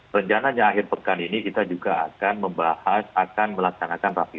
rencana nyahir pekan ini kita juga akan membahas akan melaksanakan rapimnasya